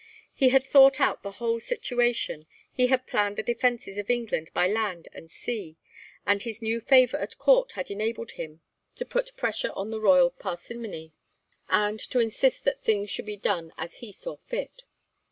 He had thought out the whole situation, he had planned the defences of England by land and sea, and his new favour at Court had enabled him to put pressure on the royal parsimony, and to insist that things should be done as he saw fit.